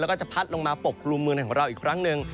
แล้วก็จะพัดลงมาปกกลุ่มเมืองในของเราอีกครั้งหนึ่ง